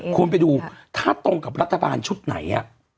ควรไปดูถ้าตรงกับรัฐบาลชุดไหน